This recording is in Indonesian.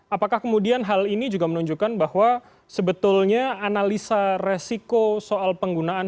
apakah kemudian hal ini juga menunjukkan bahwa sebetulnya analisa resiko soal penggunaan